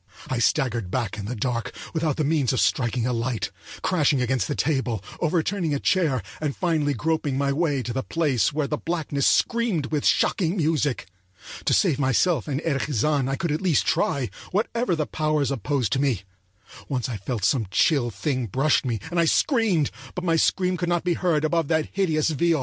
I staggered back in the dark, without the means of striking a light, crashing against the table, overturning a chair, and finally groping my way to the place where the blackness screamed with shocking music. To save myself and Erich Zann I could at least try, whatever the powers opposed to me. Once I thought some chill thing brushed me, and I screamed, but my scream could not be heard above that hideous viol.